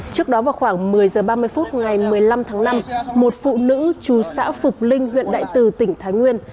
trước đó vào khoảng một mươi h ba mươi phút ngày một mươi năm tháng năm một phụ nữ chú xã phục linh huyện đại từ tỉnh thái nguyên